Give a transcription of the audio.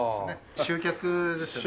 集客ですね。